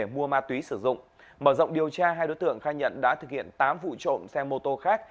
mua ma túy sử dụng mở rộng điều tra hai đối tượng khai nhận đã thực hiện tám vụ trộm xe mô tô khác